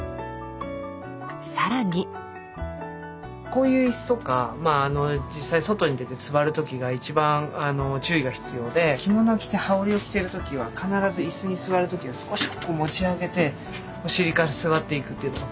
こういうイスとかまあ実際外に出て座る時が一番注意が必要で着物を着て羽織を着ている時は必ずイスに座る時は少しこう持ち上げてお尻から座っていくっていうのがポイントです。